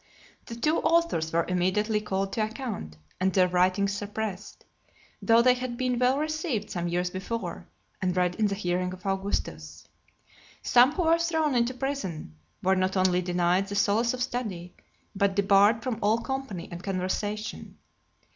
The two authors were immediately called to account, and their writings suppressed; though they had been well received some years before, and read in the hearing of Augustus. Some, who were thrown into prison, were not only denied the solace of study, but debarred from all company and conversation.